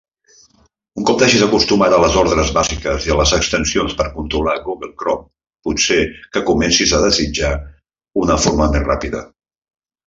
Un cop t'hagis acostumat a les ordres bàsiques i a les extensions per controlar Google Chrome, pot ser que comencis a desitjar una forma més ràpida.